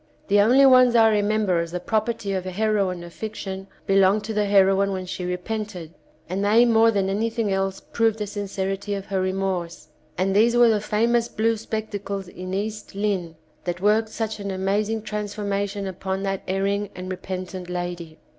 The only ones I remem ber as the property of a heroine of fiction belonged to the heroine when she repented, and they more than anything else proved the sincerity of her remorse, and these were the famous blue spectacles in "East Lynne" that worked such an amazing transformation upon that erring and re pentant lady.